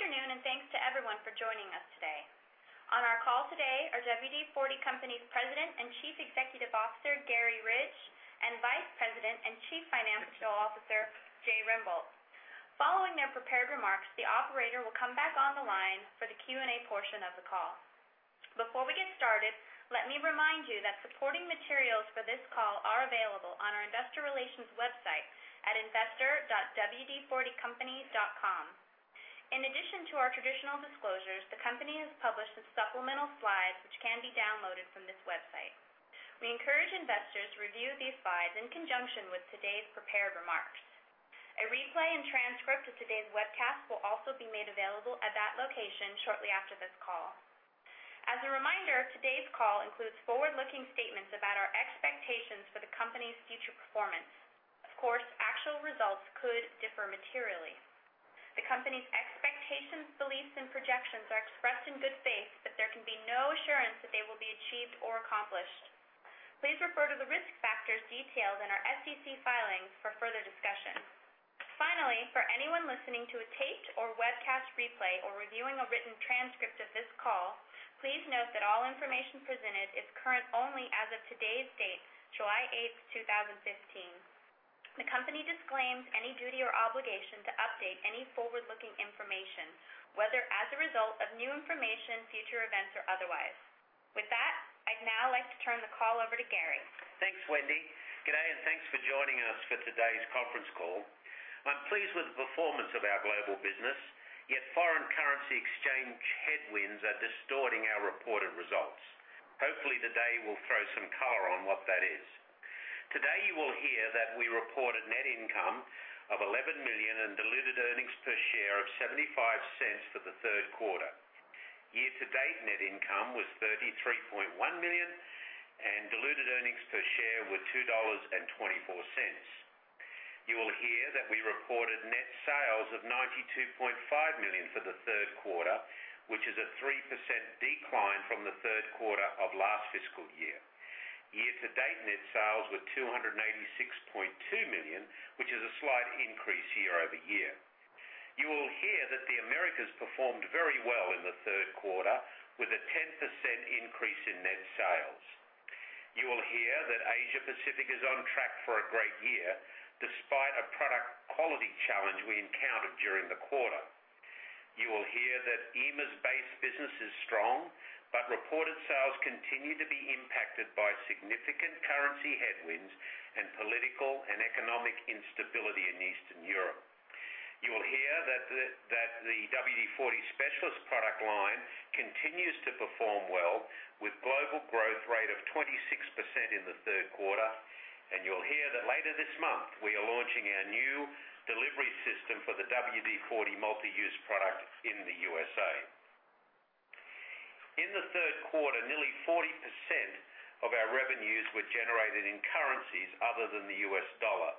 Good afternoon. Thanks to everyone for joining us today. On our call today are WD-40 Company's President and Chief Executive Officer, Garry Ridge, and Vice President and Chief Financial Officer, Jay Rembolt. Following their prepared remarks, the operator will come back on the line for the Q&A portion of the call. Before we get started, let me remind you that supporting materials for this call are available on our investor relations website at investor.wd40company.com. In addition to our traditional disclosures, the company has published its supplemental slides, which can be downloaded from this website. We encourage investors to review these slides in conjunction with today's prepared remarks. A replay and transcript of today's webcast will also be made available at that location shortly after this call. As a reminder, today's call includes forward-looking statements about our expectations for the company's future performance. Of course, actual results could differ materially. The company's expectations, beliefs, and projections are expressed in good faith, but there can be no assurance that they will be achieved or accomplished. Please refer to the risk factors detailed in our SEC filings for further discussion. Finally, for anyone listening to a taped or webcast replay or reviewing a written transcript of this call, please note that all information presented is current only as of today's date, July 8th, 2015. The company disclaims any duty or obligation to update any forward-looking information, whether as a result of new information, future events, or otherwise. With that, I'd now like to turn the call over to Garry. Thanks, Wendy. Good day. Thanks for joining us for today's conference call. I'm pleased with the performance of our global business, yet foreign currency exchange headwinds are distorting our reported results. Hopefully, today will throw some color on what that is. Today, you will hear that we reported net income of $11 million and diluted earnings per share of $0.75 for the third quarter. Year-to-date net income was $33.1 million, and diluted earnings per share were $2.24. You will hear that we reported net sales of $92.5 million for the third quarter, which is a 3% decline from the third quarter of last fiscal year. Year-to-date net sales were $286.2 million, which is a slight increase year over year. You will hear that the Americas performed very well in the third quarter, with a 10% increase in net sales. You will hear that Asia Pacific is on track for a great year, despite a product quality challenge we encountered during the quarter. You will hear that EMEIA's base business is strong, but reported sales continue to be impacted by significant currency headwinds and political and economic instability in Eastern Europe. You will hear that the WD-40 Specialist product line continues to perform well, with global growth rate of 26% in the third quarter. You'll hear that later this month, we are launching our new delivery system for the WD-40 Multi-Use Product in the USA. In the third quarter, nearly 40% of our revenues were generated in currencies other than the U.S. dollar,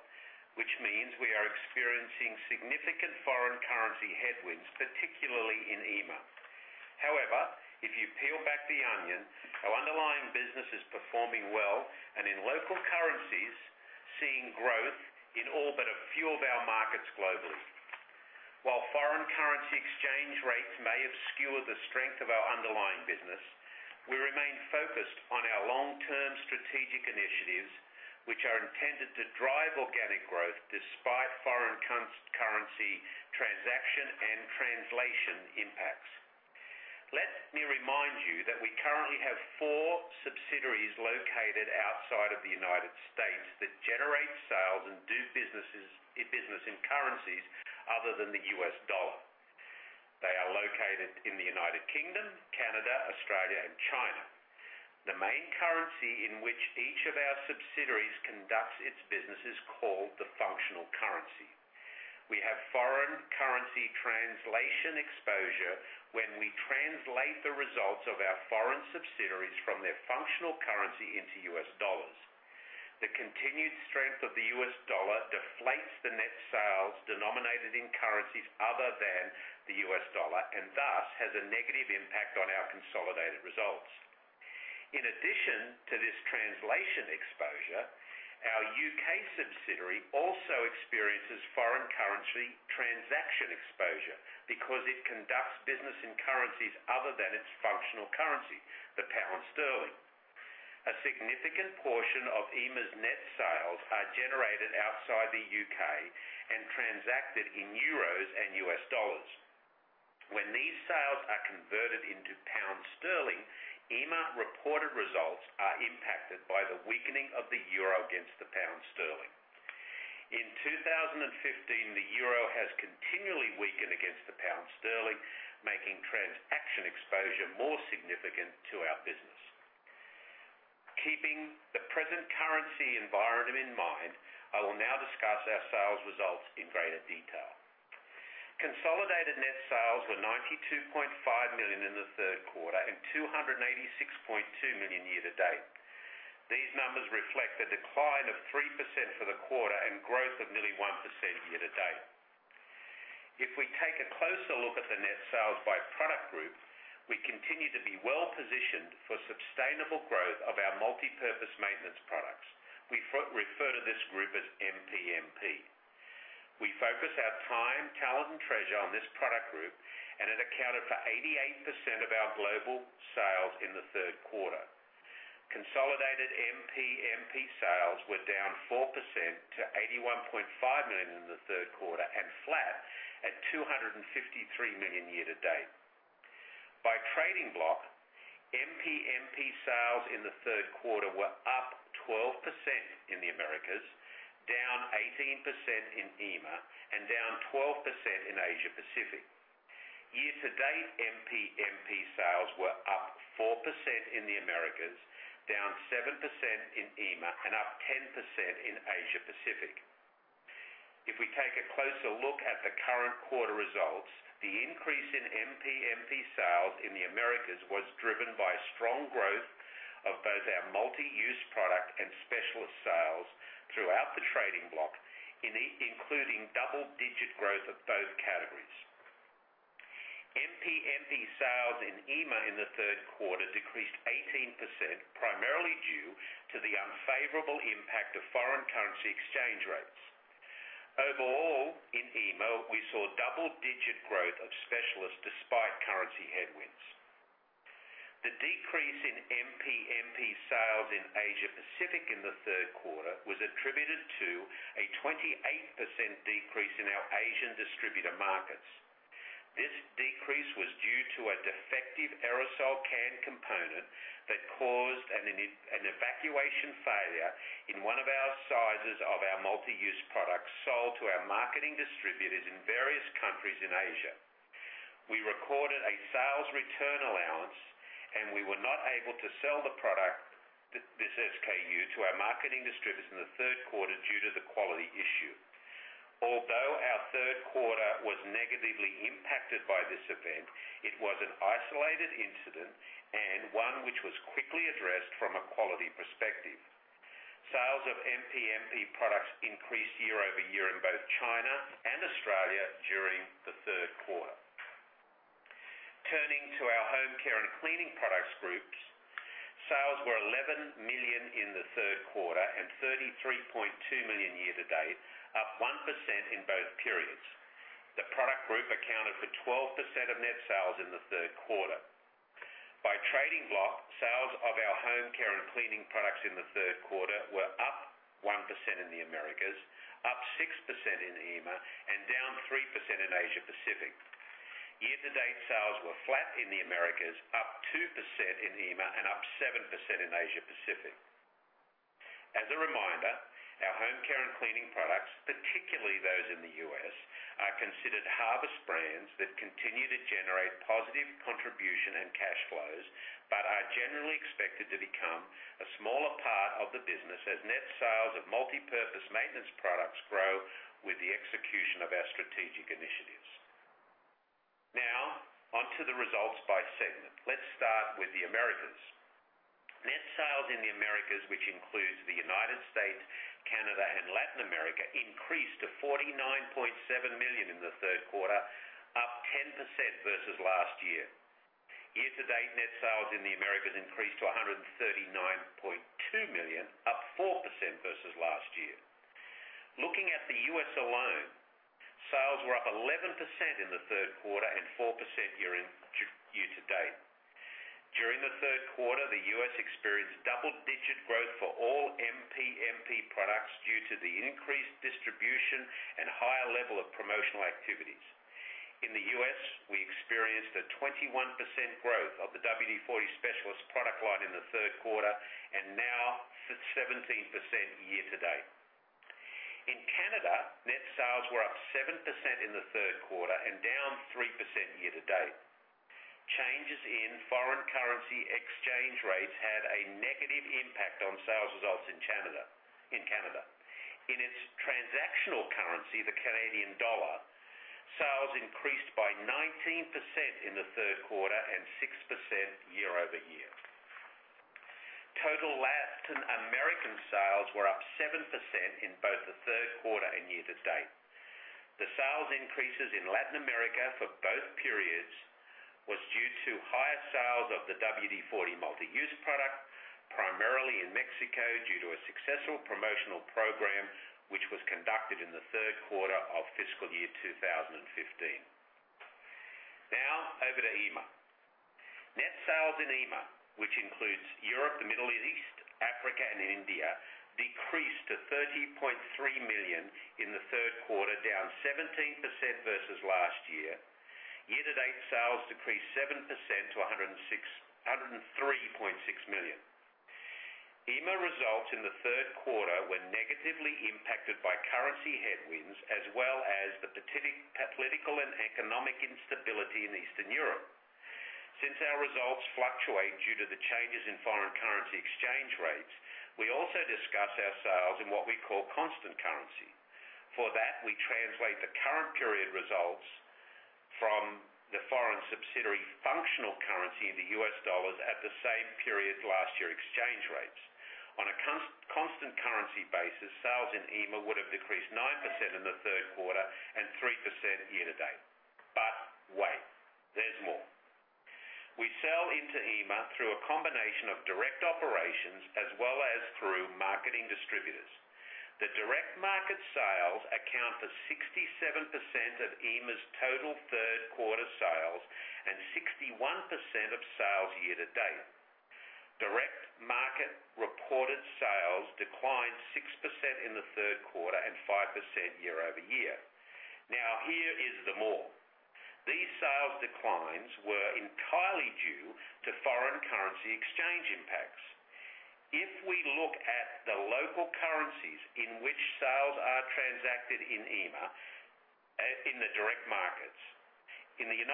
which means we are experiencing significant foreign currency headwinds, particularly in EMEIA. If you peel back the onion, our underlying business is performing well, and in local currencies, seeing growth in all but a few of our markets globally. While foreign currency exchange rates may obscure the strength of our underlying business, we remain focused on our long-term strategic initiatives, which are intended to drive organic growth despite foreign currency transaction and translation impacts. Let me remind you that we currently have four subsidiaries located outside of the U.S. that generate sales and do business in currencies other than the US dollar. They are located in the U.K., Canada, Australia, and China. The main currency in which each of our subsidiaries conducts its business is called the functional currency. We have foreign currency translation exposure when we translate the results of our foreign subsidiaries from their functional currency into US dollars. The continued strength of the US dollar deflates the net sales denominated in currencies other than the US dollar, and thus has a negative impact on our consolidated results. In addition to this translation exposure, our U.K. subsidiary also experiences foreign currency transaction exposure because it conducts business in currencies other than its functional currency, the pound sterling. A significant portion of EMEIA's net sales are generated outside the U.K. and transacted in euros and US dollars. When these sales are converted into pound sterling, EMEIA reported results are impacted by the weakening of the euro against the pound sterling. In 2015, the euro has continually weakened against the pound sterling, making transaction exposure more significant to our business. Keeping the present currency environment in mind, I will now discuss our sales results in greater detail. Consolidated net sales were $92.5 million in the third quarter and $286.2 million year-to-date. These numbers reflect a decline of 3% for the quarter and growth of nearly 1% year-to-date. If we take a closer look at the net sales by product group, we continue to be well-positioned for sustainable growth of our multipurpose maintenance products. We refer to this group as MPMP. We focus our time, talent, and treasure on this product group, and it accounted for 88% of our global sales in the third quarter. Consolidated MPMP sales were down 4% to $81.5 million in the third quarter and flat at $253 million year-to-date. By trading block, MPMP sales in the third quarter were up 12% in the Americas, down 18% in EMEA, and down 12% in Asia Pacific. Year-to-date MPMP sales were up 4% in the Americas, down 7% in EMEA, and up 10% in Asia Pacific. If we take a closer look at the current quarter results, the increase in MPMP sales in the Americas was driven by strong growth of both our Multi-Use Product and Specialist sales throughout the trading block, including double-digit growth of both categories. MPMP sales in EMEA in the third quarter decreased 18%, primarily due to the unfavorable impact of foreign currency exchange rates. Overall, in EMEA, we saw double-digit growth of Specialist despite currency headwinds. The decrease in MPMP sales in Asia Pacific in the third quarter was attributed to a 28% decrease in our Asian distributor markets. This decrease was due to a defective aerosol can component that caused an evacuation failure in one of our sizes of our multi-use products sold to our marketing distributors in various countries in Asia. We recorded a sales return allowance, and we were not able to sell the product, this SKU, to our marketing distributors in the third quarter due to the quality issue. Although our third quarter was negatively impacted by this event, it was an isolated incident and one which was quickly addressed from a quality perspective. Sales of MPMP products increased year-over-year in both China and Australia during the third quarter. Turning to our home care and cleaning products groups, sales were $11 million in the third quarter and $33.2 million year-to-date, up 1% in both periods. The product group accounted for 12% of net sales in the third quarter. By trading block, sales of our home care and cleaning products in the third quarter were up 1% in the Americas, up 6% in EMEA, and down 3% in Asia Pacific. Year-to-date sales were flat in the Americas, up 2% in EMEA, and up 7% in Asia Pacific. As a reminder, our home care and cleaning products, particularly those in the U.S., are considered harvest brands that continue to generate positive contribution and cash flows but are generally expected to become a smaller part of the business as net sales of multi-purpose maintenance products grow with the execution of our strategic initiatives. Now, onto the results by segment. Let's start with the Americas. Net sales in the Americas, which includes the United States, Canada, and Latin America, increased to $49.7 million in the third quarter, up 10% versus last year. Year-to-date net sales in the Americas increased to $139.2 million, up 4% versus last year. Looking at the U.S. alone, sales were up 11% in the third quarter and 4% year-to-date. During the third quarter, the U.S. experienced double-digit growth for all MPMP products due to the increased distribution and higher level of promotional activities. In the U.S., we experienced a 21% growth of the WD-40 Specialist product line in the third quarter and now 17% year-to-date. In Canada, net sales were up 7% in the third quarter and down 3% year-to-date. Changes in foreign currency exchange rates had a negative impact on sales results in Canada. In its transactional currency, the Canadian dollar, sales increased by 19% in the third quarter and 6% year-over-year. Total Latin American sales were up 7% in both the third quarter and year-to-date. The sales increases in Latin America for both periods was due to higher sales of the WD-40 Multi-Use Product, primarily in Mexico, due to a successful promotional program, which was conducted in the third quarter of fiscal year 2015. Now over to EMEA. Net sales in EMEA, which includes Europe, the Middle East, Africa, and India, decreased to $30.3 million in the third quarter, down 17% versus last year. Year-to-date sales decreased 7% to $103.6 million. EMEA results in the third quarter were negatively impacted by currency headwinds as well as the political and economic instability in Eastern Europe. Since our results fluctuate due to the changes in foreign currency exchange rates, we also discuss our sales in what we call constant currency. For that, we translate the current period results from the foreign subsidiary functional currency into U.S. dollars at the same period last year exchange rates. On a constant currency basis, sales in EMEA would have decreased 9% in the third quarter and 3% year-to-date. Wait, there's more. We sell into EMEA through a combination of direct operations as well as through marketing distributors. The direct market sales account for 67% of EMEA's total third-quarter sales and 61% of sales year-to-date. Direct market reported sales declined 6% in the third quarter and 5% year-over-year. Here is the more. These sales declines were entirely due to foreign currency exchange impacts. If we look at the local currencies in which sales are transacted in EMEA, in the direct markets. In the U.K.,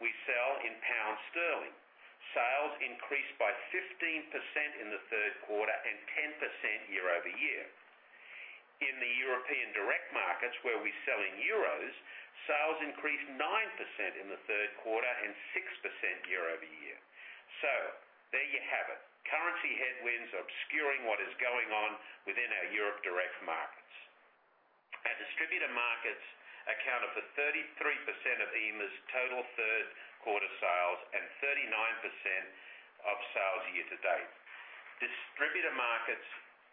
we sell in GBP. Sales increased by 15% in the third quarter and 10% year-over-year. In the European direct markets where we sell in EUR, sales increased 9% in the third quarter and 6% year-over-year. There you have it. Currency headwinds obscuring what is going on within our Europe direct markets. Our distributor markets accounted for 33% of EMEA's total third-quarter sales and 39% of sales year-to-date. Distributor markets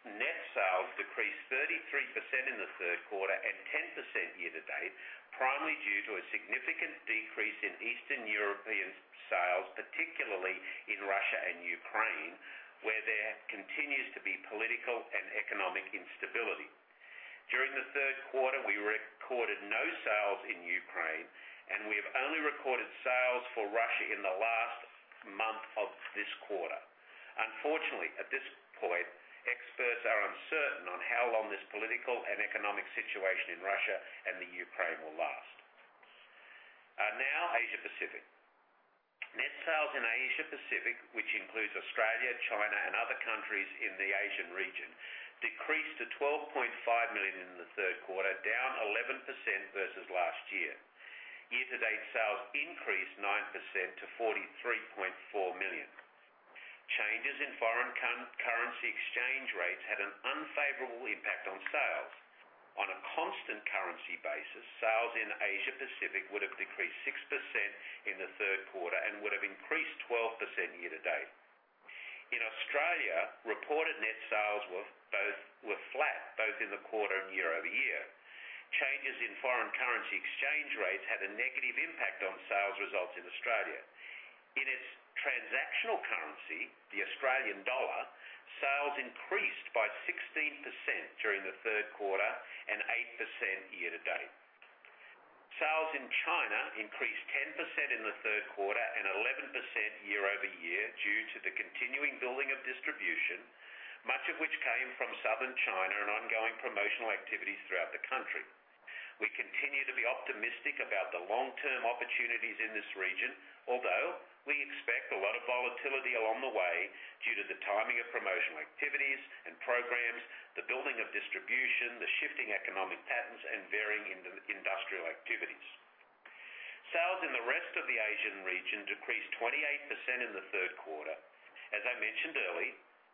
net sales decreased 33% in the third quarter and 10% year-to-date, primarily due to a significant decrease in Eastern European sales, particularly in Russia and Ukraine, where there continues to be political and economic instability. During the third quarter, we recorded no sales in Ukraine, and we have only recorded sales for Russia in the last month of this quarter. Unfortunately, at this point, experts are uncertain on how long this political and economic situation in Russia and Ukraine will last. Now Asia Pacific. Net sales in Asia Pacific, which includes Australia, China, and other countries in the Asian region, decreased to $12.5 million in the third quarter, down 11% versus last year. Year-to-date sales increased 9% to $43.4 million. Changes in foreign currency exchange rates had an unfavorable impact on sales. On a constant currency basis, sales in Asia Pacific would have decreased 6% in the third quarter and would have increased 12% year-to-date. In Australia, reported net sales were flat both in the quarter and year-over-year. Changes in foreign currency exchange rates had a negative impact on sales results in Australia. In its transactional currency, the AUD, sales increased by 16% during the third quarter and 8% year-to-date. Sales in China increased 10% in the third quarter and 11% year-over-year due to the continuing building of distribution, much of which came from Southern China on ongoing promotional activities throughout the country. We continue to be optimistic about the long-term opportunities in this region, although we expect a lot of volatility along the way due to the timing of promotional activities and programs, the building of distribution, the shifting economic patterns, and varying industrial activities. Sales in the rest of the Asian region decreased 28% in the third quarter. As I mentioned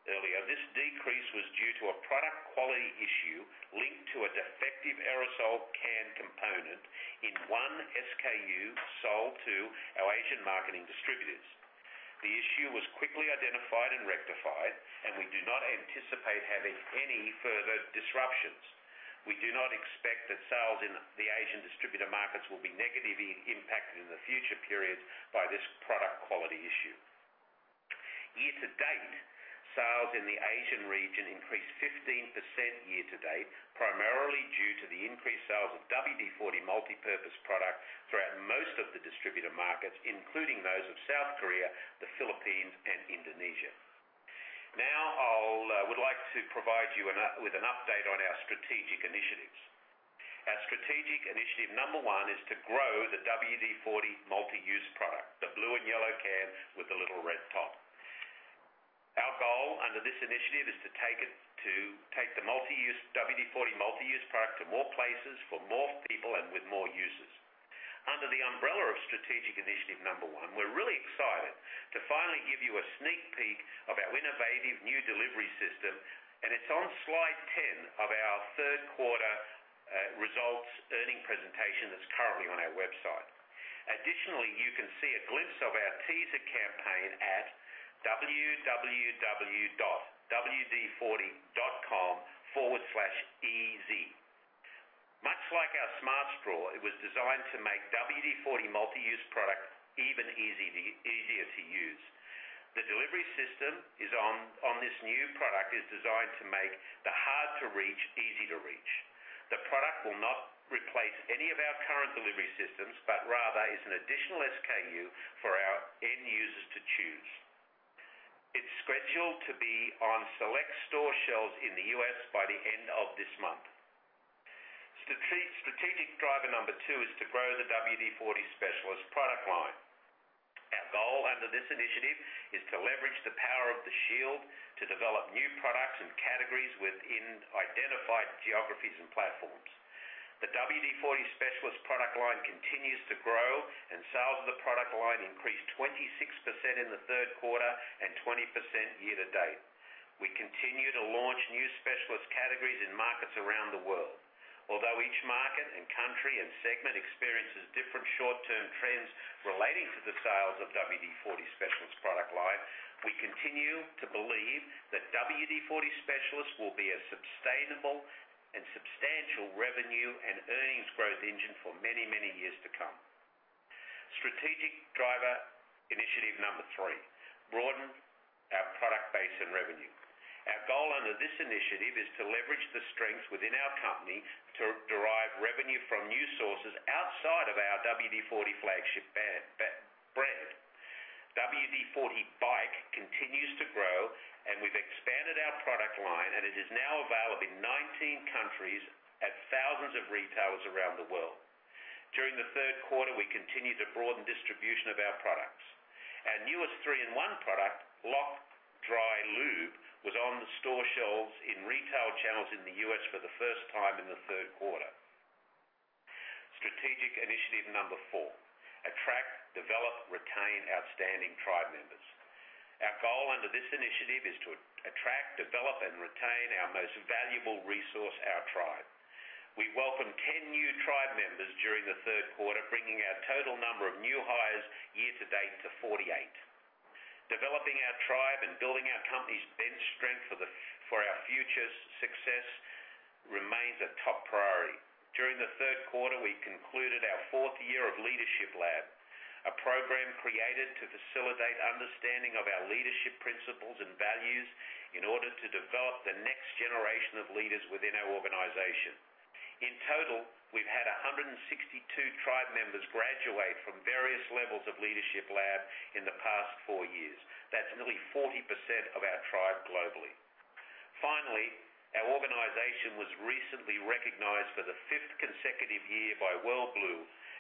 earlier, this decrease was due to a product quality issue linked to a defective aerosol can component in 1 SKU sold to our Asian Marketing distributors. The issue was quickly identified and rectified, and we do not anticipate having any further disruptions. We do not expect that sales in the Asian distributor markets will be negatively impacted in the future periods by this product quality issue. Year-to-date, sales in the Asian region increased 15% year-to-date, primarily due to the increased sales of WD-40 Multi-Use Product throughout most of the distributor markets, including those of South Korea, the Philippines, and Indonesia. I would like to provide you with an update on our strategic initiatives. Our strategic initiative number one is to grow the WD-40 Multi-Use Product, the blue and yellow can with the little red top. Our goal under this initiative is to take the WD-40 Multi-Use Product to more places for more people and with more uses. Under the umbrella of strategic initiative number one, we're really excited to finally give you a sneak peek of our innovative new delivery system, and it's on slide 10 of our third quarter results earning presentation that's currently on our website. You can see a glimpse of our teaser campaign at www.wd40.com/ez. Much like our Smart Straw, it was designed to make WD-40 Multi-Use Product even easier to use. The delivery system on this new product is designed to make the hard-to-reach easy to reach. The product will not replace any of our current delivery systems, but rather is an additional SKU for our end users to choose. It's scheduled to be on select store shelves in the U.S. by the end of this month. Strategic driver number two is to grow the WD-40 Specialist product line. Our goal under this initiative is to leverage the power of the shield to develop new products and categories within identified geographies and platforms. The WD-40 Specialist product line continues to grow, and sales of the product line increased 26% in the third quarter and 20% year-to-date. We continue to launch new specialist categories in markets around the world. Each market and country and segment experiences different short-term trends relating to the sales of WD-40 Specialist product line, we continue to believe that WD-40 Specialist will be a sustainable and substantial revenue and earnings growth engine for many, many years to come. Strategic driver initiative number three, broaden our product base and revenue. Our goal under this initiative is to leverage the strengths within our company to derive revenue from new sources outside of our WD-40 flagship brand. WD-40 BIKE continues to grow, and we've expanded our product line, and it is now available in 19 countries at thousands of retailers around the world. During the third quarter, we continued to broaden distribution of our products. Our newest 3-IN-ONE product, Lock Dry Lube, was on the store shelves in retail channels in the U.S. for the first time in the third quarter. Strategic initiative number four, attract, develop, retain outstanding tribe members. Our goal under this initiative is to attract, develop, and retain our most valuable resource, our tribe. We welcomed 10 new tribe members during the third quarter, bringing our total number of new hires year-to-date to 48. Developing our tribe and building our company's bench strength for our future success remains a top priority. During the third quarter, we concluded our fourth year of Leadership Lab, a program created to facilitate understanding of our leadership principles and values in order to develop the next generation of leaders within our organization. In total, we've had 162 tribe members graduate from various levels of Leadership Lab in the past four years. That's nearly 40% of our tribe globally. Finally, our organization was recently recognized for the fifth consecutive year by WorldBlu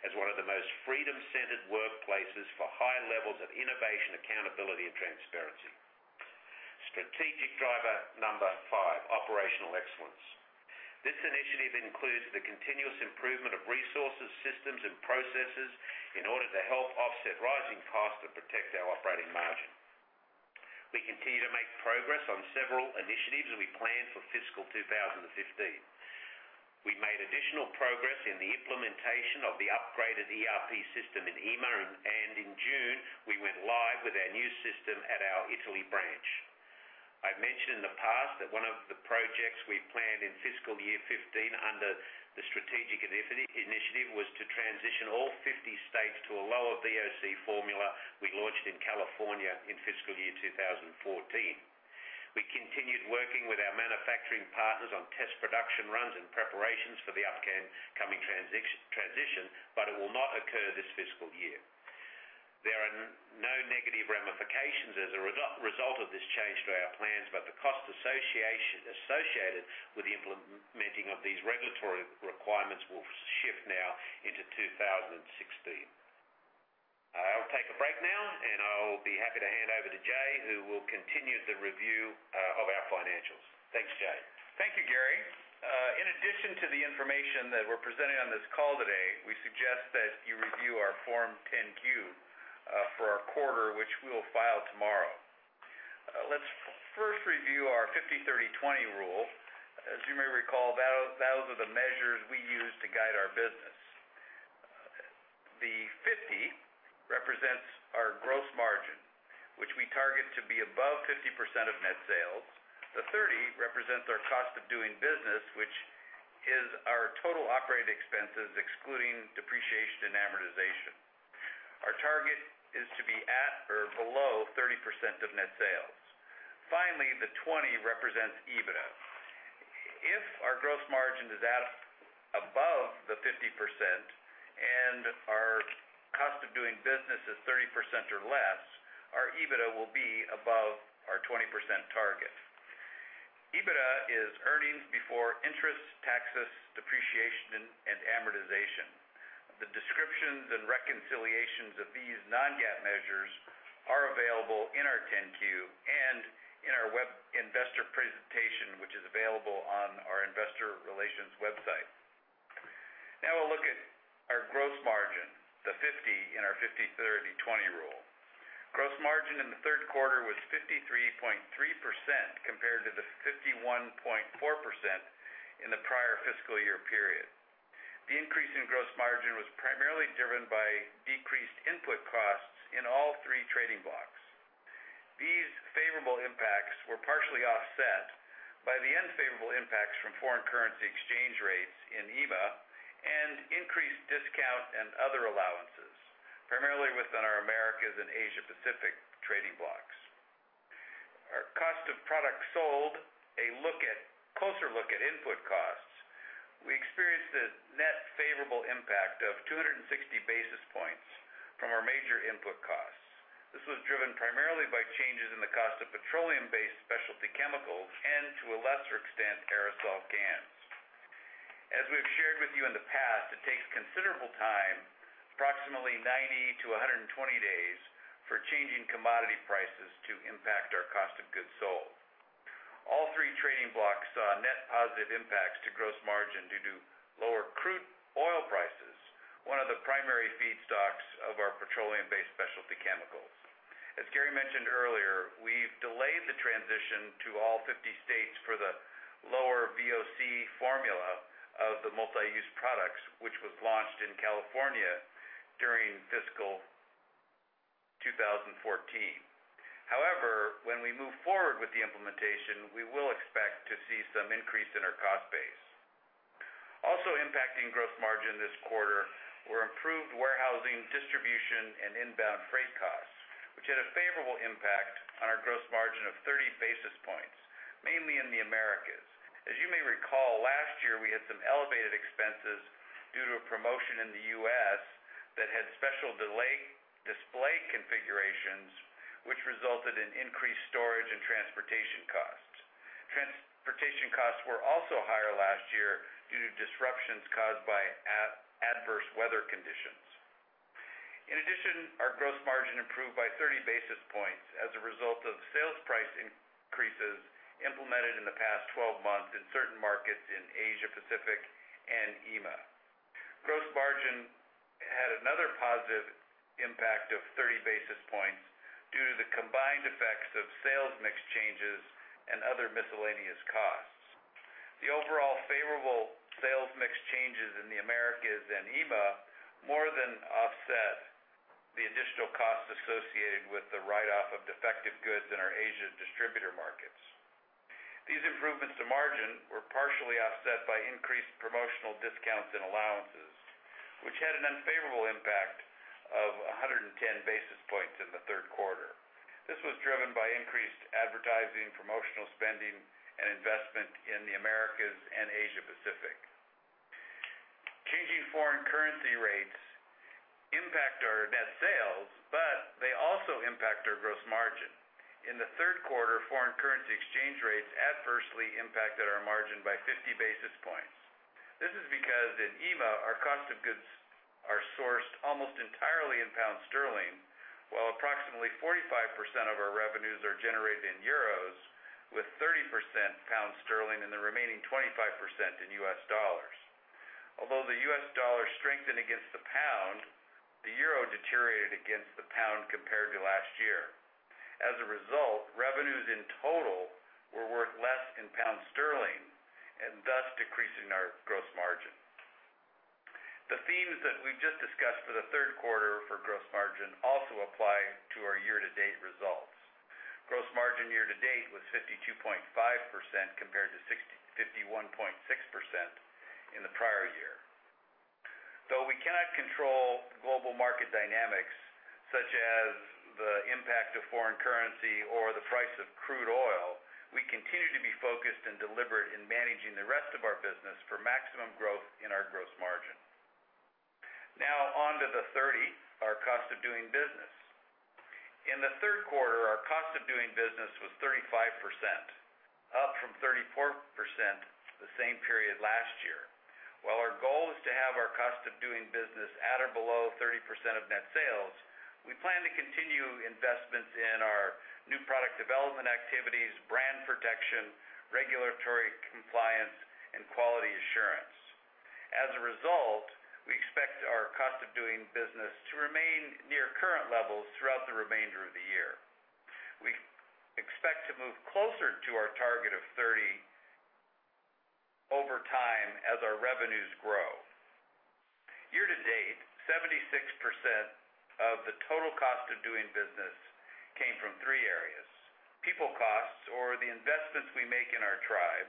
as one of the most freedom-centered workplaces for high levels of innovation, accountability, and transparency. Strategic driver number five, operational excellence. This initiative includes the continuous improvement of resources, systems, and processes in order to help offset rising costs to protect our operating margin. We continue to make progress on several initiatives we planned for fiscal 2015. We made additional progress in the implementation of the upgraded ERP system in EMEA, and in June, we went live with our new system at our Italy branch. I mentioned in the past that one of the projects we planned in fiscal year 2015 under the strategic initiative was to transition all 50 states to a lower VOC formula we launched in California in fiscal year 2014. We continued working with our manufacturing partners on test production runs and preparations for the upcoming transition, but it will not occur this fiscal year. There are no negative ramifications as a result of this change to our plans, but the cost associated with implementing of these regulatory requirements will shift now into 2016. I will take a break now, and I will be happy to hand over to Jay, who will continue the review of our financials. Thanks, Jay. Thank you, Garry. In addition to the information that we are presenting on this call today, we suggest that you review our Form 10-Q for our quarter, which we will file tomorrow. Let's first review our 50/30/20 rule. As you may recall, those are the measures we use to guide our business. The 50 represents our gross margin, which we target to be above 50% of net sales. The 30 represents our cost of doing business, which is our total operating expenses, excluding depreciation and amortization. Our target is to be at or below 30% of net sales. Finally, the 20 represents EBITDA. If our gross margin is at above the 50% and our cost of doing business is 30% or less, our EBITDA will be above our 20% target. EBITDA is earnings before interest, taxes, depreciation, and amortization. The descriptions and reconciliations of these non-GAAP measures are available in our 10-Q and in our web investor presentation, which is available on our investor relations website. Now we will look at our gross margin, the 50 in our 50/30/20 rule. Gross margin in the third quarter was 53.3% compared to the 51.4% in the prior fiscal year period. The increase in gross margin was primarily driven by decreased input costs in all three trading blocks. These favorable impacts were partially offset by the unfavorable impacts from foreign currency exchange rates in EMEA and increased discount and other allowances, primarily within our Americas and Asia Pacific trading blocks. Our cost of products sold, a closer look at input costs, we experienced a net favorable impact of 260 basis points from our major input costs. This was driven primarily by changes in the cost of petroleum-based specialty chemicals and, to a lesser extent, aerosol cans. As we've shared with you in the past, it takes considerable time, approximately 90 to 120 days, for changing commodity prices to impact our cost of goods sold. All three trading blocks saw net positive impacts to gross margin due to lower crude oil prices, one of the primary feedstocks of our petroleum-based specialty chemicals. As Garry mentioned earlier, we've delayed the transition to all 50 states for the lower VOC formula of the multi-use products, which was launched in California during FY 2014. However, when we move forward with the implementation, we will expect to see some increase in our cost base. Also impacting gross margin this quarter were improved warehousing, distribution, and inbound freight costs, which had a favorable impact on our gross margin of 30 basis points, mainly in the Americas. As you may recall, last year we had some elevated expenses due to a promotion in the U.S. that had special display configurations which resulted in increased storage and transportation costs. Transportation costs were also higher last year due to disruptions caused by adverse weather conditions. In addition, our gross margin improved by 30 basis points as a result of sales price increases implemented in the past 12 months in certain markets in Asia Pacific and EMEA. Gross margin had another positive impact of 30 basis points due to the combined effects of sales mix changes and other miscellaneous costs. The overall favorable sales mix changes in the Americas and EMEA more than offset the additional costs associated with the write-off of defective goods in our Asian distributor markets. These improvements to margin were partially offset by increased promotional discounts and allowances, which had an unfavorable impact of 110 basis points in the third quarter. This was driven by increased advertising, promotional spending, and investment in the Americas and Asia Pacific. Changing foreign currency rates impact our net sales, but they also impact our gross margin. In the third quarter, foreign currency exchange rates adversely impacted our margin by 50 basis points. This is because in EMEA, our cost of goods are sourced almost entirely in GBP, while approximately 45% of our revenues are generated in EUR, with 30% GBP and the remaining 25% in USD. Although the U.S. dollar strengthened against the GBP, the EUR deteriorated against the GBP compared to last year. As a result, revenues in total were worth less in GBP and thus decreasing our gross margin. The themes that we just discussed for the third quarter for gross margin also apply to our year-to-date results. Gross margin year-to-date was 52.5% compared to 51.6% in the prior year. Though we cannot control global market dynamics, such as the impact of foreign currency or the price of crude oil, we continue to be focused and deliberate in managing the rest of our business for maximum growth in our gross margin. Now on to the 30, our cost of doing business. In the third quarter, our cost of doing business was 35%, up from 34% the same period last year. While our goal is to have our cost of doing business at or below 30% of net sales, we plan to continue investments in our new product development activities, brand protection, regulatory compliance, and quality assurance. As a result, we expect our cost of doing business to remain near current levels throughout the remainder of the year. We expect to move closer to our target of 30 over time as our revenues grow. Year-to-date, 76% of the total cost of doing business came from three areas: people costs or the investments we make in our tribe,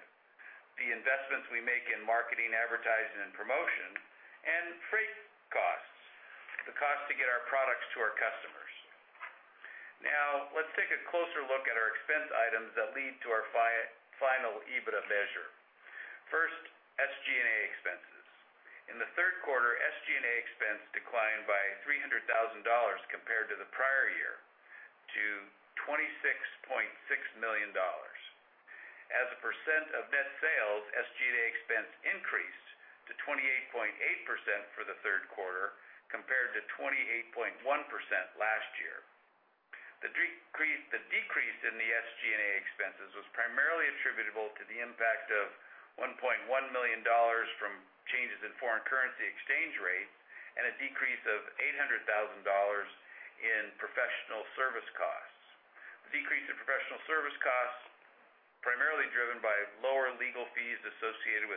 the investments we make in marketing, advertising, and promotion, and freight costs, the cost to get our products to our customers. Now, let's take a closer look at our expense items that lead to our final EBITDA measure. First, SG&A expenses. In the third quarter, SG&A expense declined by $300,000 compared to the prior year to $26.6 million. As a percent of net sales, SG&A expense increased to 28.8% for the third quarter, compared to 28.1% last year. The decrease in the SG&A expenses was primarily attributable to the impact of $1.1 million from changes in foreign currency exchange rates and a decrease of $800,000 in professional service costs. The decrease in professional service costs primarily driven by lower legal fees associated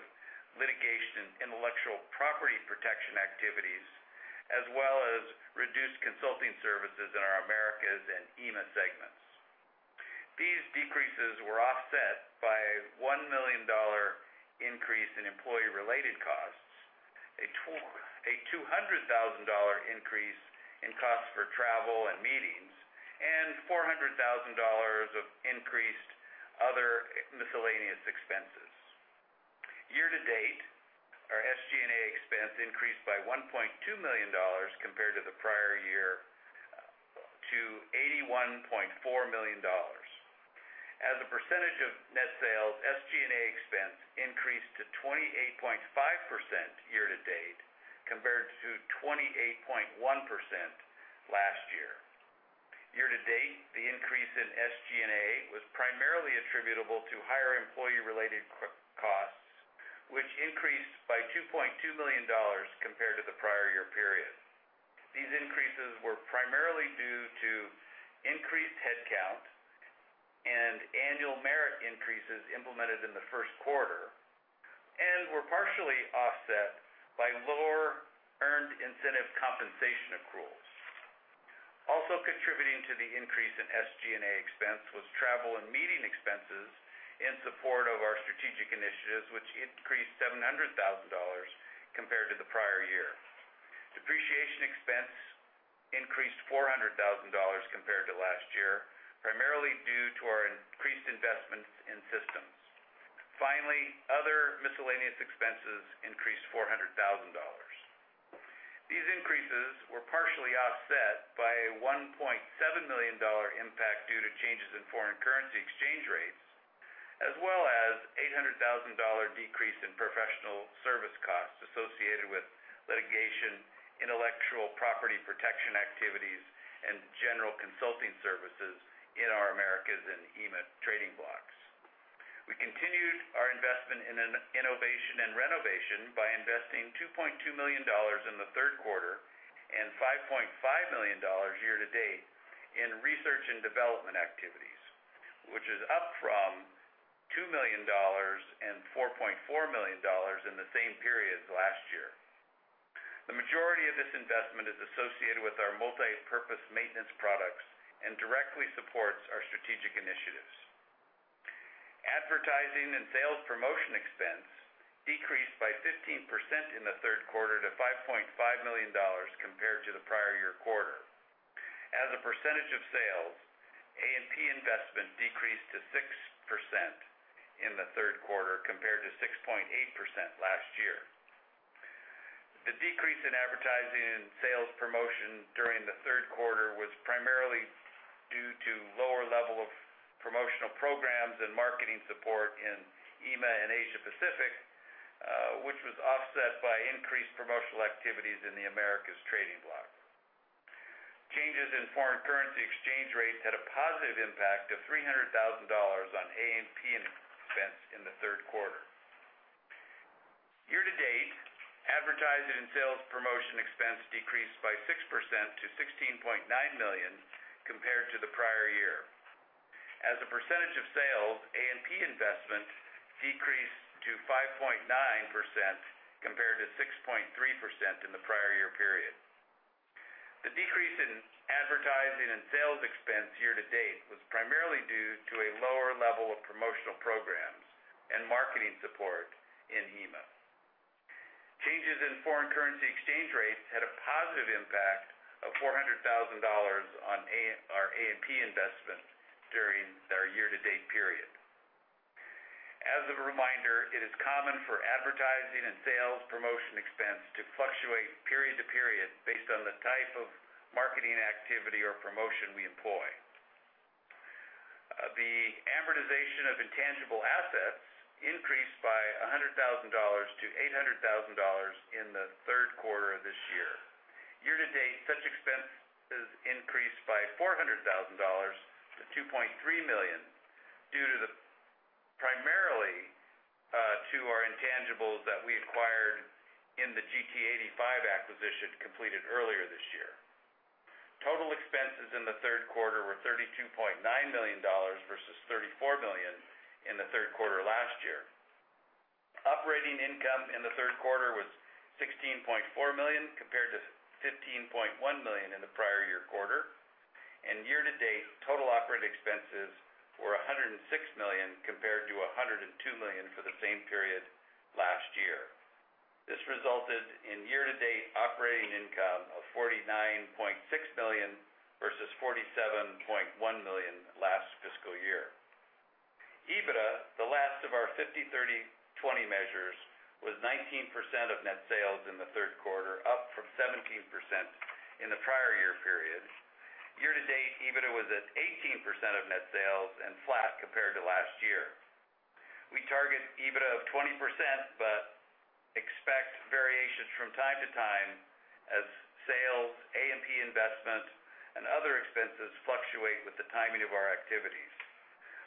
with litigation and intellectual property protection activities, as well as reduced consulting services in our Americas and EMEA segments. These decreases were offset by a $1 million increase in employee-related costs, a $200,000 increase in costs for travel and meetings, and $400,000 of increased other miscellaneous expenses. Year-to-date, our SG&A expense increased by $1.2 million compared to the prior year to $81.4 million. As a percentage of net sales, SG&A expense 28.5% year-to-date compared to 28.1% last year. Year-to-date, the increase in SG&A was primarily attributable to higher employee-related costs, which increased by $2.2 million compared to the prior year period. These increases were primarily due to increased headcount and annual merit increases implemented in the first quarter and were partially offset by lower earned incentive compensation accruals. Contributing to the increase in SG&A expense was travel and meeting expenses in support of our strategic initiatives, which increased $700,000 compared to the prior year. Depreciation expense increased $400,000 compared to last year, primarily due to our increased investments in systems. Other miscellaneous expenses increased $400,000. These increases were partially offset by a $1.7 million impact due to changes in foreign currency exchange rates, as well as $800,000 decrease in professional service costs associated with litigation, intellectual property protection activities, and general consulting services in our Americas and EMEA trading blocks. We continued our investment in innovation and renovation by investing $2.2 million in the third quarter and $5.5 million year-to-date in research and development activities, which is up from $2 million and $4.4 million in the same periods last year. Advertising and sales promotion expense decreased by 15% in the third quarter to $5.5 million compared to the prior year quarter. As a percentage of sales, A&P investment decreased to 6% in the third quarter compared to 6.8% last year. The decrease in advertising and sales promotion during the third quarter was primarily due to lower level of promotional programs and marketing support in EMEA and Asia Pacific, which was offset by increased promotional activities in the Americas trading block. Changes in foreign currency exchange rates had a positive impact of $300,000 on A&P expense in the third quarter. Year-to-date, advertising and sales promotion expense decreased by 6% to $16.9 million compared to the prior year. As a percentage of sales, A&P investment decreased to 5.9% compared to 6.3% in the prior year period. The decrease in advertising and sales expense year-to-date was primarily due to a lower level of promotional programs and marketing support in EMEA. Changes in foreign currency exchange rates had a positive impact of $400,000 on our A&P investment during our year-to-date period. As a reminder, it is common for advertising and sales promotion expense to fluctuate period to period based on the type of marketing activity or promotion we employ. The amortization of intangible assets increased by $100,000 to $800,000 in the third quarter of this year. Year-to-date, such expenses increased by $400,000 to $2.3 million, primarily to our intangibles that we acquired in the GT85 acquisition completed earlier this year. Total expenses in the third quarter were $32.9 million versus $34 million in the third quarter last year. Operating income in the third quarter was $16.4 million compared to $15.1 million in the prior year quarter, and year-to-date total operating expenses were $106 million compared to $102 million for the same period last year. This resulted in year-to-date operating income of $49.6 million versus $47.1 million last fiscal year. EBITDA, the last of our 50-30-20 measures, was 19% of net sales in the third quarter, up from 17% in the prior year period. Year-to-date, EBITDA was at 18% of net sales and flat compared to last year. We target EBITDA of 20% but expect variations from time to time as sales, A&P investment, and other expenses fluctuate with the timing of our activities.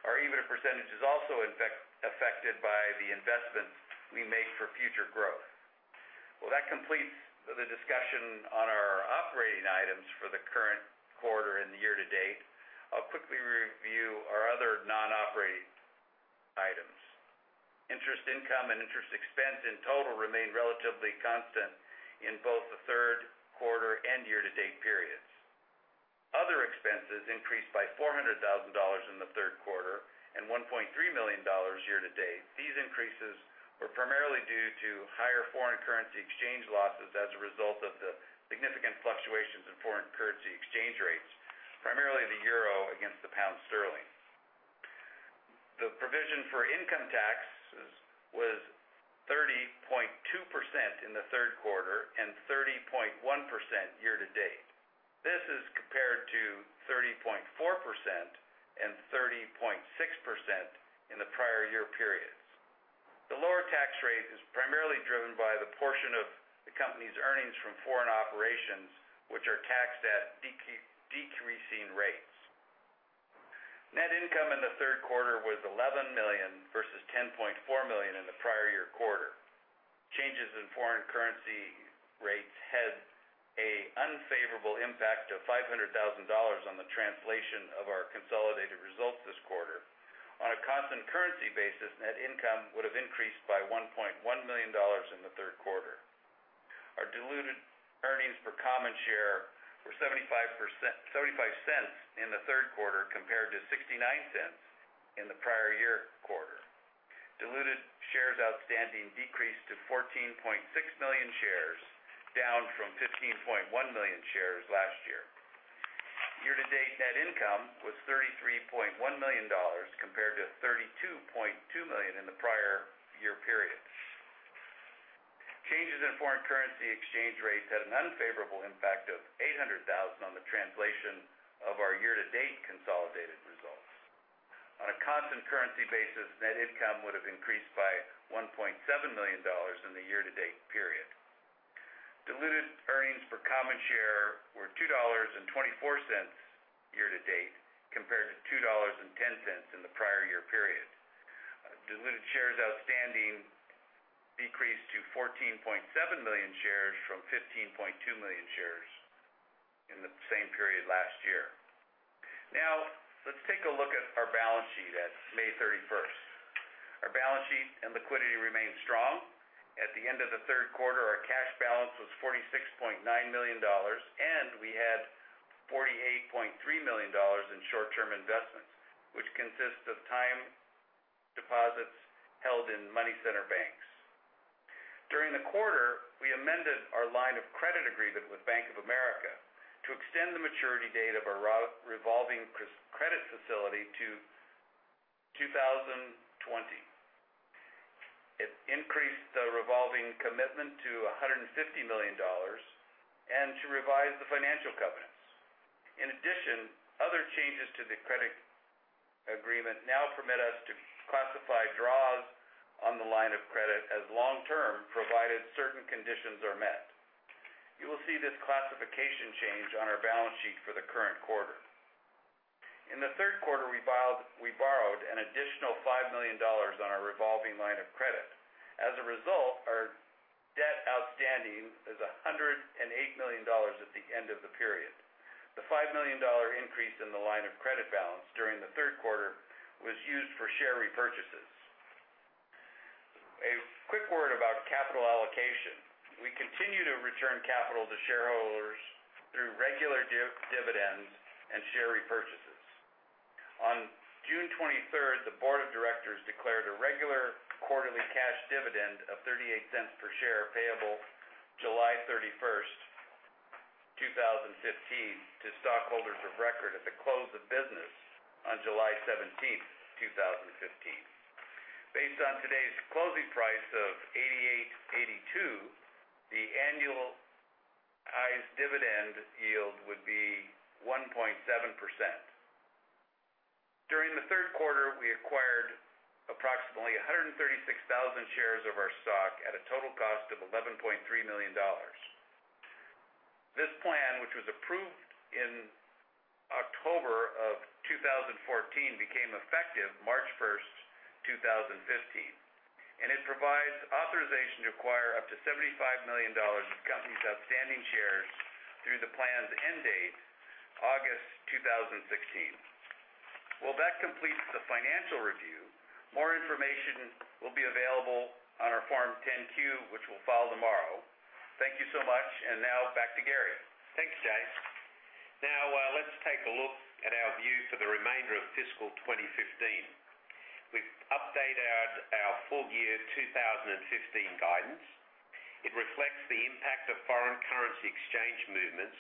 Our EBITDA percentage is also affected by the investments we make for future growth. Well, that completes the discussion on our operating items for the current quarter and year-to-date. I'll quickly review our other non-operating items. Interest income and interest expense in total remained relatively constant in both the third quarter and year-to-date periods. Other expenses increased by $400,000 in the third quarter and $1.3 million year-to-date. These increases were primarily due to higher foreign currency exchange losses as a result of the significant fluctuations in foreign currency exchange rates, primarily the euro against the pound sterling. The provision for income tax was 30.2% in the third quarter and 30.1% year-to-date. This is compared to 30.4% and 30.6% in the prior year periods. The lower tax rate is primarily driven by the portion of the company's earnings from foreign operations, which are taxed at decreasing rates. Net income in the third quarter was $11 million, versus $10.4 million in the prior year quarter. Changes in foreign currency rates had an unfavorable impact of $500,000 on the translation of our consolidated results this quarter. On a constant currency basis, net income would have increased by $1.1 million in the third quarter. Our diluted earnings per common share were $0.75 in the third quarter, compared to $0.69 in the prior year quarter. Diluted shares outstanding decreased to 14.6 million shares, down from 15.1 million shares last year. Year-to-date net income was $33.1 million, compared to $32.2 million in the prior year period. Changes in foreign currency exchange rates had an unfavorable impact of $800,000 on the translation of our year-to-date consolidated results. On a constant currency basis, net income would have increased by $1.7 million in the year-to-date period. Diluted earnings per common share were $2.24 year-to-date, compared to $2.10 in the prior year period. Diluted shares outstanding decreased to 14.7 million shares from 15.2 million shares in the same period last year. Let's take a look at our balance sheet at May 31st. Our balance sheet and liquidity remain strong. At the end of the third quarter, our cash balance was $46.9 million, and we had $48.3 million in short-term investments, which consists of time deposits held in money center banks. During the quarter, we amended our line of credit agreement with Bank of America to extend the maturity date of our revolving credit facility to 2020. It increased the revolving commitment to $150 million and to revise the financial covenants. Other changes to the credit agreement now permit us to classify draws on the line of credit as long-term, provided certain conditions are met. You will see this classification change on our balance sheet for the current quarter. In the third quarter, we borrowed an additional $5 million on our revolving line of credit. As a result, our debt outstanding is $108 million at the end of the period. The $5 million increase in the line of credit balance during the third quarter was used for share repurchases. A quick word about capital allocation. We continue to return capital to shareholders through regular dividends and share repurchases. On June 23rd, the board of directors declared a regular quarterly cash dividend of $0.38 per share payable July 31st, 2015, to stockholders of record at the close of business on July 17th, 2015. Based on today's closing price of $88.82, the annualized dividend yield would be 1.7%. During the third quarter, we acquired approximately 136,000 shares of our stock at a total cost of $11.3 million. This plan, which was approved in October of 2014, became effective March 1st, 2015, and it provides authorization to acquire up to $75 million of the company's outstanding shares through the plan's end date August 2016. That completes the financial review. More information will be available on our Form 10-Q, which we'll file tomorrow. Thank you so much. Now back to Garry. Thanks, Jay. Now let's take a look at our view for the remainder of fiscal 2015. We've updated our full year 2015 guidance. It reflects the impact of foreign currency exchange movements,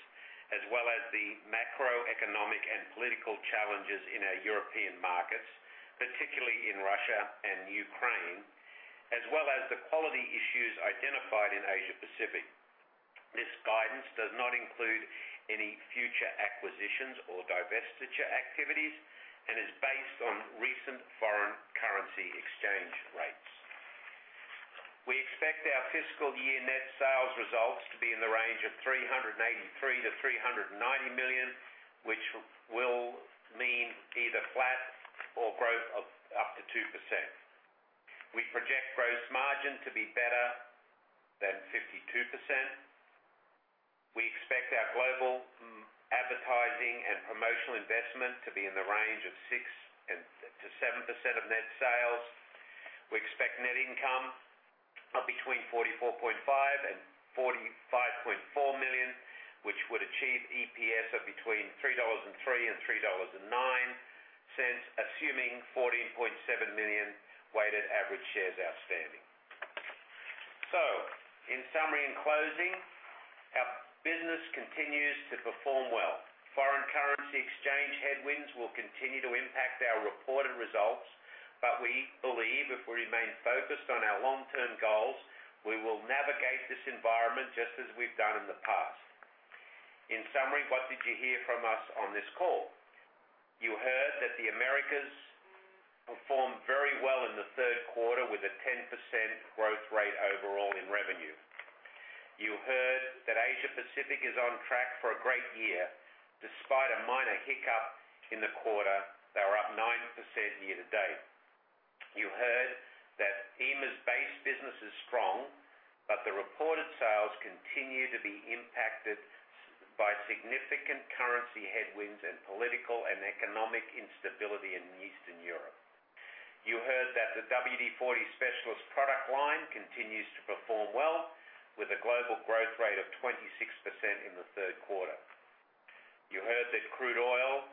as well as the macroeconomic and political challenges in our European markets, particularly in Russia and Ukraine, as well as the quality issues identified in Asia Pacific. This guidance does not include any future acquisitions or divestiture activities and is based on recent foreign currency exchange rates. We expect our fiscal year net sales results to be in the range of $383 million-$390 million, which will mean either flat or growth of up to 2%. We project gross margin to be better than 52%. We expect our global advertising and promotional investment to be in the range of 6%-7% of net sales. We expect net income of between $44.5 million and $45.4 million, which would achieve EPS of between $3.03 and $3.09, assuming 14.7 million weighted average shares outstanding. In summary, in closing, our business continues to perform well. Foreign currency exchange headwinds will continue to impact our reported results, but we believe if we remain focused on our long-term goals, we will navigate this environment just as we've done in the past. In summary, what did you hear from us on this call? You heard that the Americas performed very well in the third quarter with a 10% growth rate overall in revenue. You heard that Asia Pacific is on track for a great year. Despite a minor hiccup in the quarter, they were up 9% year-to-date. You heard that EMEA's base business is strong, but the reported sales continue to be impacted by significant currency headwinds and political and economic instability in Eastern Europe. You heard that the WD-40 Specialist product line continues to perform well with a global growth rate of 26% in the third quarter. You heard that crude oil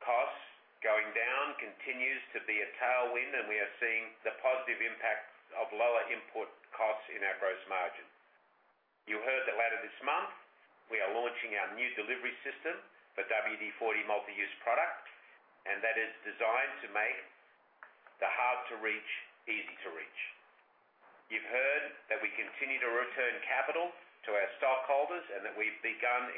costs going down continues to be a tailwind, and we are seeing the positive impact of lower input costs in our gross margin. You heard that later this month, we are launching our new delivery system for WD-40 Multi-Use Product, and that is designed to make the hard-to-reach easy to reach. You've heard that we continue to return capital to our stockholders and that we've begun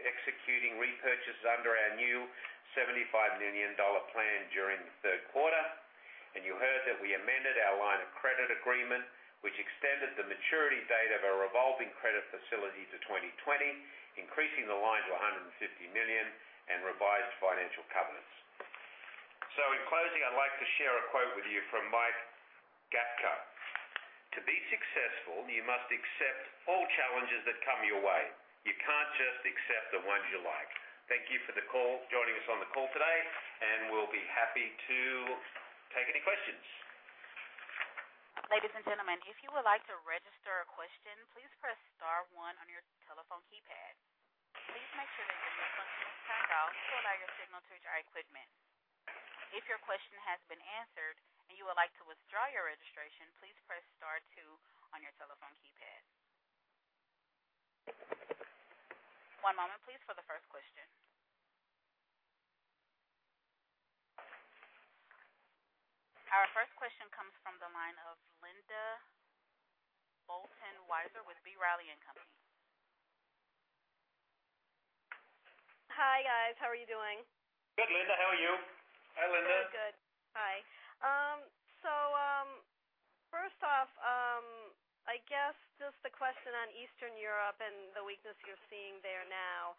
executing repurchases under our new $75 million plan during the third quarter. You heard that we amended our line of credit agreement, which extended the maturity date of our revolving credit facility to 2020, increasing the line to $150 million and revised financial covenants. In closing, I'd like to share a quote with you from Mike Gafka. "To be successful, you must accept all challenges that come your way. You can't just accept the ones you like." Thank you for joining us on the call today, and we'll be happy to take any questions. Ladies and gentlemen, if you would like to register a question, please press *1 on your telephone keypad. Please make sure that your mute function is turned off to allow your signal to reach our equipment. If your question has been answered and you would like to withdraw your registration, please press *2 on your telephone keypad. One moment, please, for the first question. Our first question comes from the line of Linda Bolton-Weiser with B. Riley & Company. Hi, guys. How are you doing? Good, Linda. How are you? Hi, Linda. First off, I guess just a question on Eastern Europe and the weakness you're seeing there now.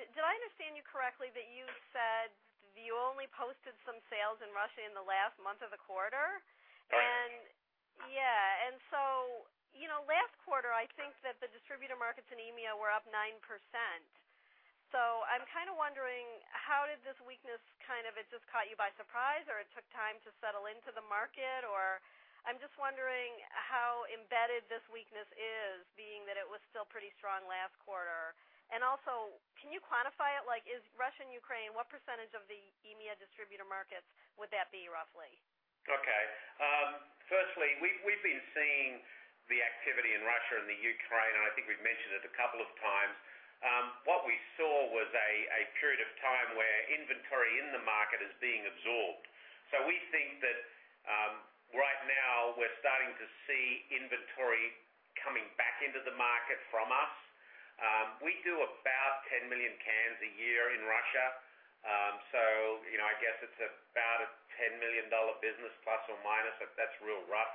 Did I understand you correctly that you said you only posted some sales in Russia in the last month of the quarter? Right. Yeah. Last quarter, I think that the distributor markets in EMEA were up 9%. I'm wondering how did this weakness, it just caught you by surprise, or it took time to settle into the market? I'm just wondering how embedded this weakness is, being that it was still pretty strong last quarter. Also, can you quantify it? Like is Russian and Ukraine, what % of the EMEA distributor markets would that be roughly? Okay. Firstly, we've been seeing the activity in Russia and the Ukraine. I think we've mentioned it a couple of times. What we saw was a period of time where inventory in the market is being absorbed. We think that right now we're starting to see inventory coming back into the market from us. We do about 10 million cans a year in Russia. I guess it's about a $10 million business, plus or minus, if that's real rough.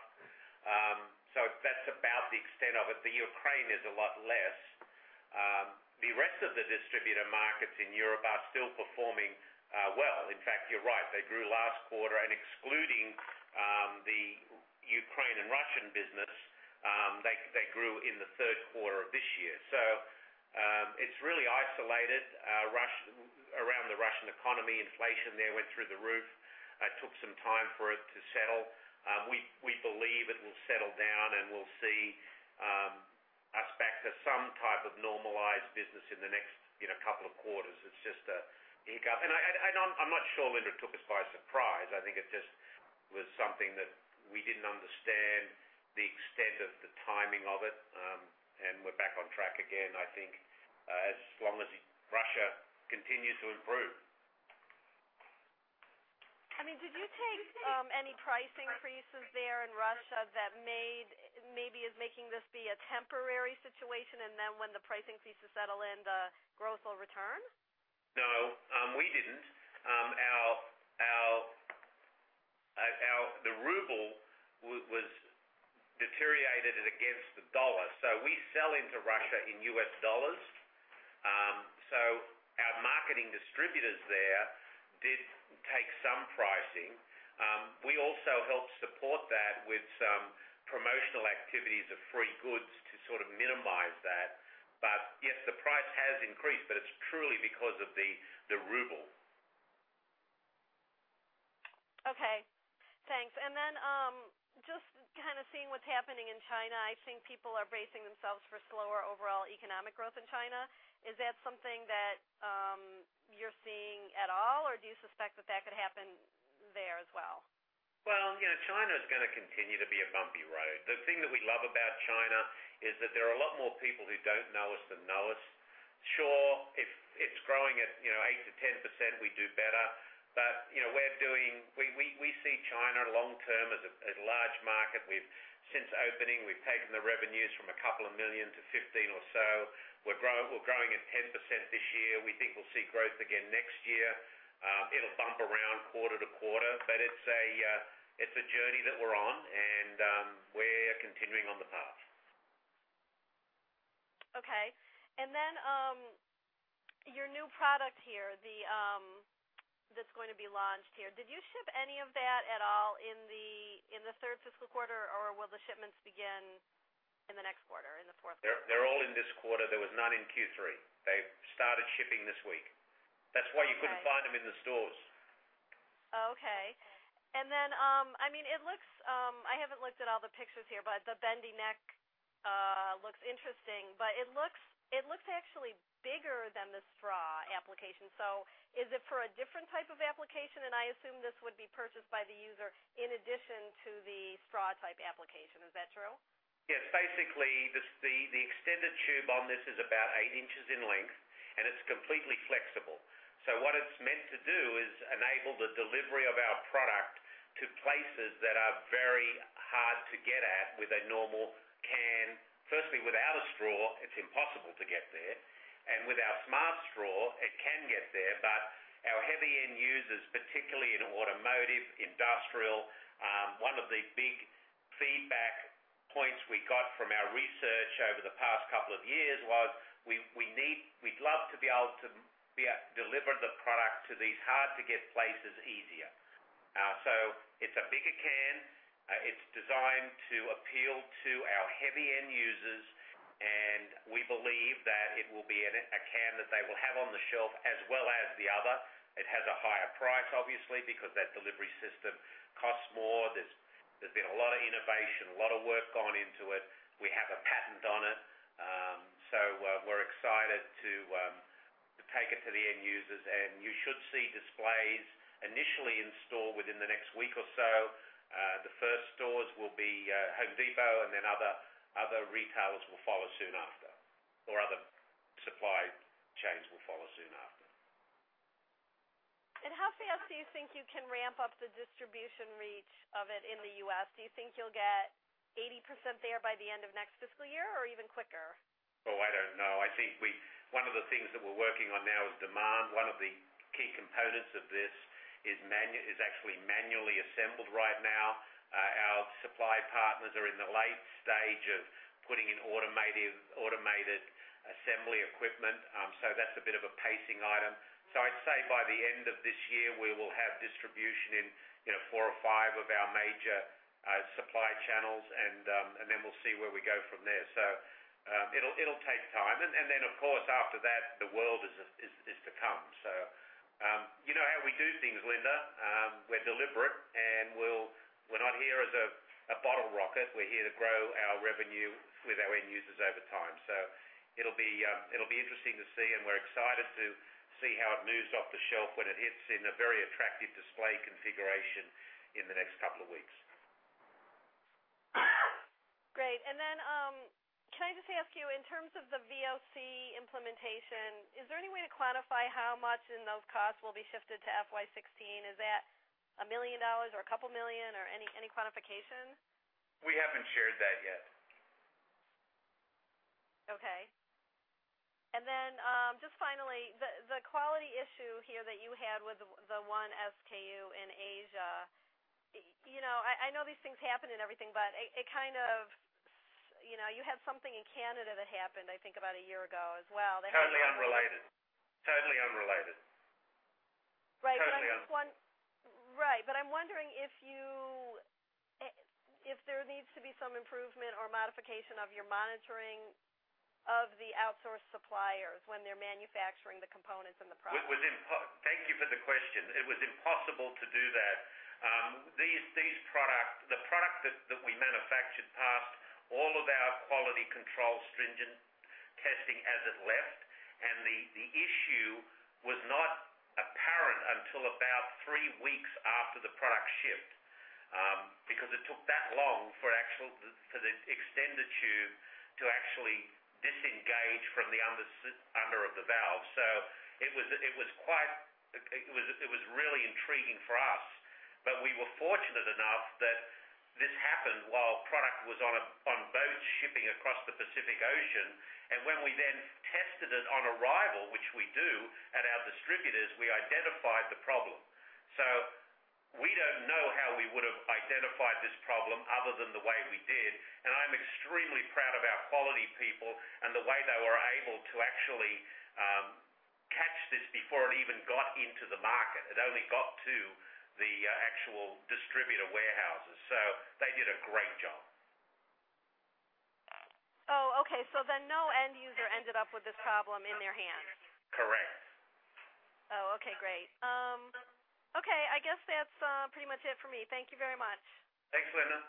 That's about the extent of it. The Ukraine is a lot less. The rest of the distributor markets in Europe are still performing well. In fact, you're right. They grew last quarter. Excluding the Ukraine and Russian business, they grew in the third quarter of this year. It's really isolated around the Russian economy. Inflation there went through the roof. It took some time for it to settle. We believe it will settle down. We'll see us back to some type of normalized business in the next couple of quarters. It's just a hiccup. I'm not sure, Linda, it took us by surprise. I think it just was something that we didn't understand the extent of the timing of it. We're back on track again, I think, as long as Russia continues to improve. Did you take any price increases there in Russia that maybe is making this be a temporary situation, and then when the price increases settle in, the growth will return? No, we didn't. The ruble was deteriorated against the dollar. We sell into Russia in US dollars. Our marketing distributors there did take some pricing. We also helped support that with some promotional activities of free goods to sort of minimize that. Yes, the price has increased, but it's truly because of the ruble. Okay, thanks. Just kind of seeing what's happening in China, I think people are bracing themselves for slower overall economic growth in China. Is that something that you're seeing at all, or do you suspect that that could happen there as well? China is going to continue to be a bumpy road. The thing that we love about China is that there are a lot more people who don't know us than know us. Sure, if it's growing at 8%-10%, we do better. We see China long term as a large market. Since opening, we've taken the revenues from a couple of million to $15 million or so. We're growing at 10% this year. We think we'll see growth again next year. It'll bump around quarter to quarter, it's a journey that we're on and we're continuing on the path. Okay. Your new product here, that's going to be launched here. Did you ship any of that at all in the third fiscal quarter, or will the shipments begin in the next quarter, in the fourth quarter? They're all in this quarter. There was none in Q3. They started shipping this week. Okay. That's why you couldn't find them in the stores. Okay. I haven't looked at all the pictures here, but the bendy neck looks interesting, but it looks actually bigger than the straw application. Is it for a different type of application? I assume this would be purchased by the user in addition to the straw type application. Is that true? Yes. Basically, the extended tube on this is about eight inches in length, and it's completely flexible. What it's meant to do is enable the delivery of our product to places that are very hard to get at with a normal can. Firstly, without a straw, it's impossible to get there. With our Smart Straw, it can get there. Our heavy-end users, particularly in automotive, industrial, one of the big feedback points we got from our research over the past couple of years was, we'd love to be able to deliver the product to these hard-to-get places easier. It's a bigger can. It's designed to appeal to our heavy-end users, and we believe that it will be a can that they will have on the shelf as well as the other. It has a higher price, obviously, because that delivery system costs more. There's been a lot of innovation, a lot of work gone into it. We have a patent on it. We're excited to take it to the end users, and you should see displays initially in store within the next week or so. The first stores will be Home Depot and other retails will follow soon after, or other supply chains will follow soon after. How fast do you think you can ramp up the distribution reach of it in the U.S.? Do you think you'll get 80% there by the end of next fiscal year or even quicker? Oh, I don't know. I think one of the things that we're working on now is demand. One of the key components of this is actually manually assembled right now. Our supply partners are in the late stage of putting in automated assembly equipment. That's a bit of a pacing item. I'd say by the end of this year, we will have distribution in four or five of our major supply channels, we'll see where we go from there. It'll take time. Of course, after that, the world is to come. You know how we do things, Linda. We're deliberate, and we're not here as a bottle rocket. We're here to grow our revenue with our end users over time. It'll be interesting to see, we're excited to see how it moves off the shelf when it hits in a very attractive display configuration in the next couple of weeks. Great. Can I just ask you, in terms of the VOC implementation, is there any way to quantify how much in those costs will be shifted to FY 2016? Is that $1 million or a couple million or any quantification? We haven't shared that yet. Okay. Just finally, the quality issue here that you had with the one SKU in Asia. I know these things happen and everything, you have something in Canada that happened, I think about a year ago as well. Totally unrelated. Totally unrelated. Right. Totally un- Right. I'm wondering if there needs to be some improvement or modification of your monitoring of the outsourced suppliers when they're manufacturing the components and the product. Thank you for the question. It was impossible to do that. The product that we manufactured passed all of our quality control stringent testing as it left, and the issue was not apparent until about three weeks after the product shipped. It took that long for the extended tube to actually disengage from the under of the valve. It was really intriguing for us. We were fortunate enough that this happened while product was on boats shipping across the Pacific Ocean. When we then tested it on arrival, which we do at our distributors, we identified the problem. We don't know how we would've identified this problem other than the way we did, and I'm extremely proud of our quality people and the way they were able to actually catch this before it even got into the market. It only got to the actual distributor warehouses. They did a great job. Oh, okay. No end user ended up with this problem in their hand? Correct. Oh, okay. Great. Okay. I guess that's pretty much it for me. Thank you very much. Thanks, Linda.